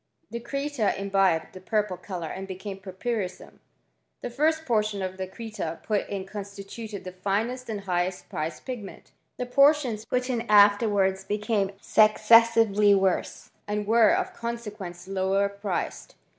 The creta imbibed the purpli colour and became purpurissum. The first portion cl creta put in constituted the finest and highest pricat pigment. The portions put in afterws^s becam successively worse, and were, of consequence loww priced.